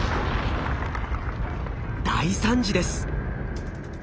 大惨事です。